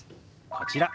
こちら。